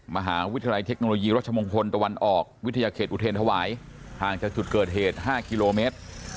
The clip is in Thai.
มหาวิทยาลัยเทคโนโลยีรัชมงคลตะวันออกวิทยาเขตอุเทรนธวายห่างจากจุดเกิดเหตุ๕กิโลเมตร